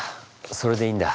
それでいいんだ。